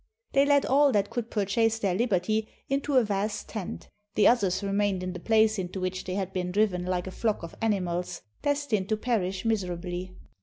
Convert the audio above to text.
They led all that could pur chase their liberty into a vast tent ; the others remained in the place into which they had been driven like a flock of animals, destined to perish miserably.